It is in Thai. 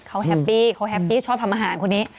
เขาแฮปปี้เขาแฮปปี้ชอบทำอาหารคนนี้